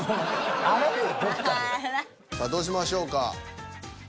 さあどうしましょうか？